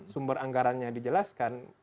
sumber anggarannya dijelaskan